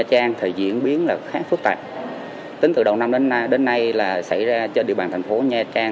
đã diễn ra trên địa bàn thành phố nha trang